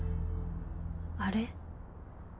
あれ？